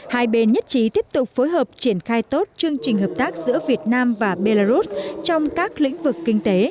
hai bên nhất trí tiếp tục phối hợp triển khai tốt chương trình hợp tác giữa việt nam và belarus trong các lĩnh vực kinh tế